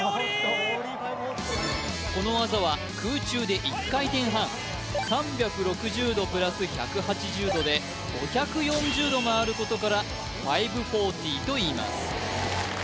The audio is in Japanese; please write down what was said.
この技は空中で１回転半３６０度プラス１８０度で５４０度回ることからファイブフォーティーといいます